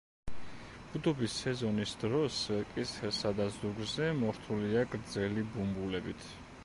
ბუდობის სეზონის დროს კისერსა და ზურგზე მორთულია გრძელი ბუმბულებით.